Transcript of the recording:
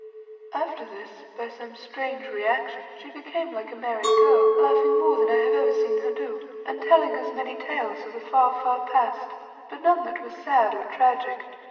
After this, by some strange reaction, she became like a merry girl, laughing more than I have ever seen her do, and telling us many tales of the far, far past, but none that were sad or tragic.